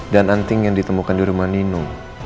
dan andin yang ditemukan di rumah nino